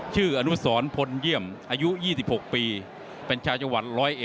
อนุสรพลเยี่ยมอายุ๒๖ปีเป็นชาวจังหวัด๑๐๑